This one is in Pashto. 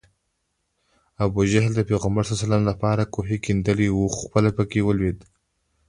ابوجهل د پیغمبر ص لپاره کوهی کیندلی و خو پخپله پکې ولوېد